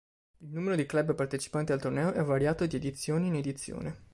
Il numero di club partecipanti al torneo è variato di edizione in edizione.